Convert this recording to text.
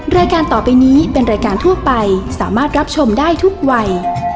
รายการต่อไปนี้เป็นรายการทั่วไปสามารถรับชมได้ทุกวัย